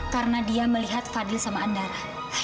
karena dia melihat fadhil sama andara